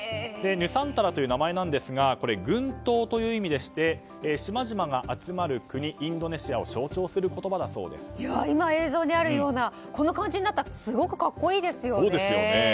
ヌサンタラという名前なんですが「群島」という意味でして島々が集まる国インドネシアを象徴する今、映像にあるようなこの感じになったらすごく格好いいですね。